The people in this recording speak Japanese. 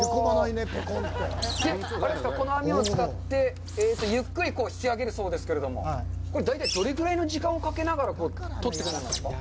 この網を使って、ゆっくり引き上げるそうですけれども、これ、大体どれくらいの時間をかけながらとっていくんですか？